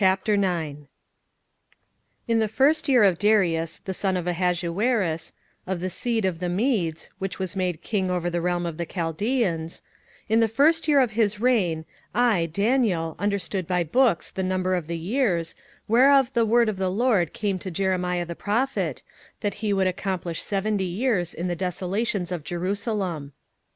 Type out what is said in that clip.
27:009:001 In the first year of Darius the son of Ahasuerus, of the seed of the Medes, which was made king over the realm of the Chaldeans; 27:009:002 In the first year of his reign I Daniel understood by books the number of the years, whereof the word of the LORD came to Jeremiah the prophet, that he would accomplish seventy years in the desolations of Jerusalem.